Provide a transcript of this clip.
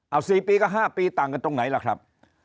เอา๔ปีก็๕ปีต่างกันตรงไหนล่ะครับ